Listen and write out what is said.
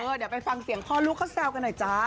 เดี๋ยวไปฟังเสียงพ่อลูกเขาแซวกันหน่อยจ้า